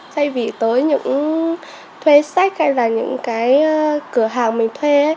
thay vì tới những thuê sách hay là những cái cửa hàng mình thuê